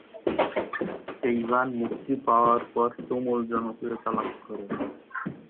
এই গান মুক্তি পাওয়ার পর তুমুল জনপ্রিয়তা লাভ করে।